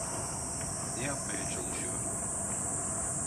Ne yapmaya çalışıyor?